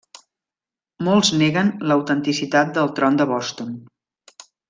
Molts neguen l'autenticitat del tron de Boston.